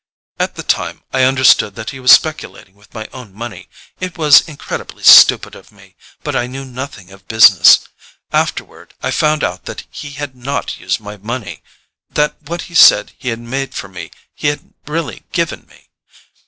"At the time, I understood that he was speculating with my own money: it was incredibly stupid of me, but I knew nothing of business. Afterward I found out that he had NOT used my money—that what he said he had made for me he had really given me.